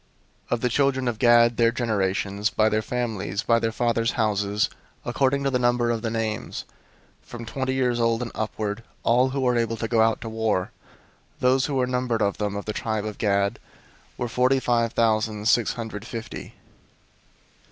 001:024 Of the children of Gad, their generations, by their families, by their fathers' houses, according to the number of the names, from twenty years old and upward, all who were able to go out to war; 001:025 those who were numbered of them, of the tribe of Gad, were forty five thousand six hundred fifty.